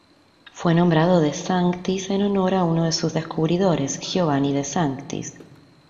Fue nombrado De Sanctis en honor a uno de sus descubridores Giovanni de Sanctis.